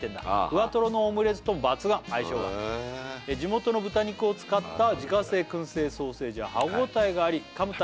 ふわとろのオムレツと抜群相性が地元の豚肉を使った自家製薫製ソーセージは歯応えがありかむ